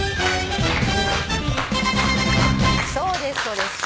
そうですそうです。